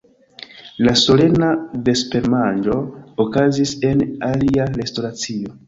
La solena vespermanĝo okazis en alia restoracio.